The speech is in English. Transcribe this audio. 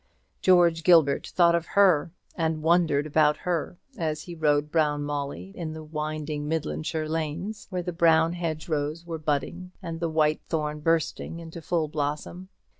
George Gilbert thought of her, and wondered about her, as he rode Brown Molly in the winding Midlandshire lanes, where the brown hedge rows were budding, and the whitethorn bursting into blossom.